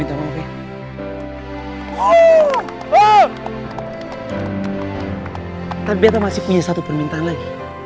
tepi tapi beta masih punya satu permintaan lagi